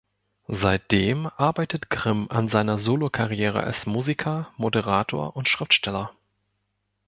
Seitdem arbeitet Grimm an seiner Solokarriere als Musiker, Moderator und Schriftsteller.